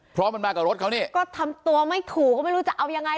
เพราะมันมากับรถเขานี่ก็ทำตัวไม่ถูกก็ไม่รู้จะเอายังไง